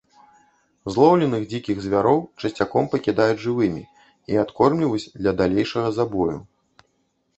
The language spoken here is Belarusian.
Злоўленых дзікіх звяроў часцяком пакідаюць жывымі і адкормліваюць для далейшага забою.